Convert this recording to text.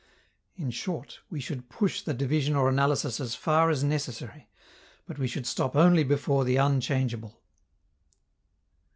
In short, we should push the division or analysis as far as necessary. But we should stop only before the unchangeable.